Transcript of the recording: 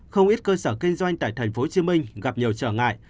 không ít cơ sở kinh doanh tại thành phố hồ chí minh gặp nhiều trở ngại